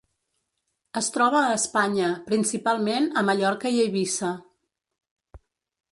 Es troba a Espanya, principalment a Mallorca i Eivissa.